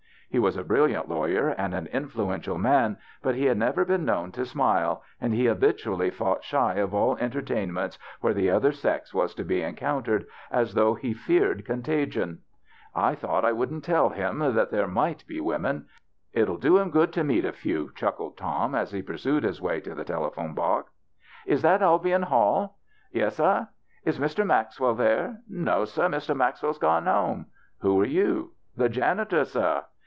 He was a brilliant lawyer and an influential man, but he had never been known to smile, and he habitually fought shy of all entertain ments where the other sex was to be encoun tered, as though he feared contagion. " I thought I wouldn't tell him that there might be women. It '11 do him good to meet THE BACHELOR'S CHRISTMAS 31 a few," chuckled Tom, as lie pursued his way to the telephone box. " Is that Albion Hall ?" "Yes, seh." " Is Mr. Maxwell there ?"" No, sell, Mr. Maxwell has gone home." "Who are you?" " The janitor, seh."